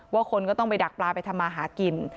คนก็ต้องไปดักปลาไปทำมาหากิน